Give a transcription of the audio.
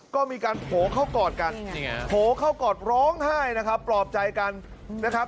ก็มีการโผล่เข้ากอดกันโผล่เข้ากอดร้องไห้นะครับปลอบใจกันนะครับ